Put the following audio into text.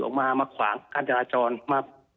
ออกมามาขวางการจราจรมา